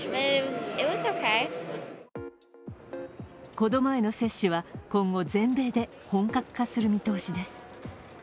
子供への接種は今後全米で本格化する見通しです。